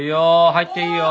入っていいよ。